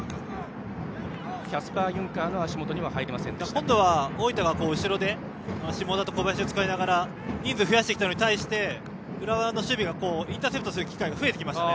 今度は大分が後ろで下田と小林を使いながら人数増やしてきたのに対して浦和の守備がインターセプトする機会が増えてきましたね。